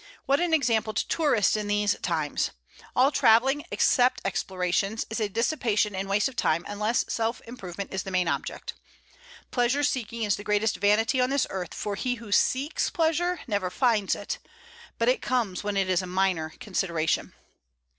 What an example to tourists in these times! All travelling (except explorations) is a dissipation and waste of time unless self improvement is the main object. Pleasure seeking is the greatest vanity on this earth, for he who seeks pleasure never finds it; but it comes when it is a minor consideration.